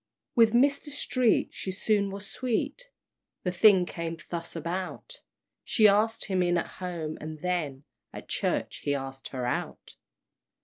With Mr. Street she soon was sweet; The thing came thus about: She asked him in at home, and then At church, he asked her out!